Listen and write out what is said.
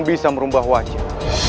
bisa merubah wajah